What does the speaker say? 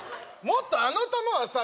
もっとあの球はさ